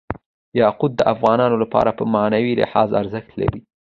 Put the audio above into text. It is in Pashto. یاقوت د افغانانو لپاره په معنوي لحاظ ارزښت لري.